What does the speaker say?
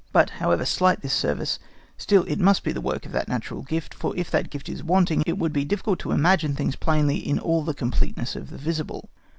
But, however slight this service, still it must be the work of that natural gift, for if that gift is wanting, it would be difficult to imagine things plainly in all the completeness of the visible.